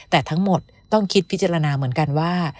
แต่ทั้งหมดต้องคิดพิจารณาเหมือนกันว่า